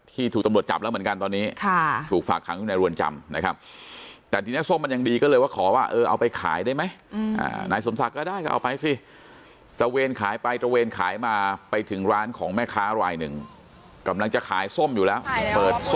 ที่ถูกตำรวจจับแล้วเหมือนกันตอนนี้ค่ะถูกฝากไว้ในรวรท์จำนะครับ